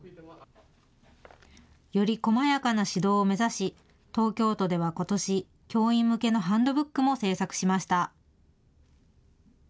より細やかな指導を目指し東京都ではことし、教員向けのハンドブックも制作しました。